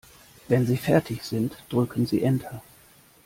Wenn Sie fertig sind, drücken Sie Enter.